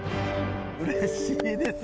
うれしいです！